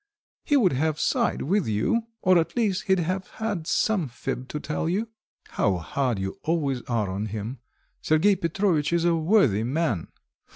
"He would have sighed with you or at least he'd have had some fib to tell you." "How hard you always are on him! Sergei Petrovitch is a worthy man."